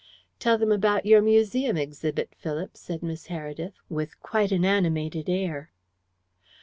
"Tell them about your museum exhibit, Philip," said Miss Heredith, with quite an animated air.